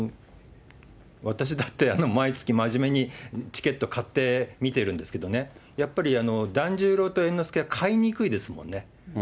私だって毎月真面目にチケット買って見てるんですけどね、やっぱり團十郎と猿之助は買いにくいですもんね。